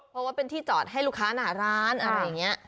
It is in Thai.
เพราะว่าเป็นที่จอดให้ลูกค้าหน้าร้านอะไรอย่างนี้